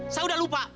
saya udah lupa